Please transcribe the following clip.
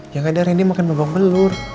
ya gak ada randy makin bebak belur